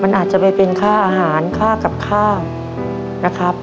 มันอาจจะไปเป็นค่าอาหารค่ากับข้าวนะครับ